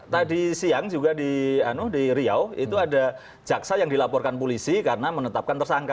tadi siang juga di riau itu ada jaksa yang dilaporkan polisi karena menetapkan tersangka